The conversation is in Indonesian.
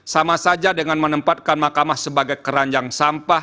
sama saja dengan menempatkan makamah sebagai keranjang sampah